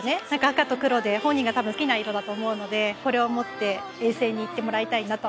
赤と黒で本人が多分好きな色だと思うのでこれを持って遠征に行ってもらいたいなと。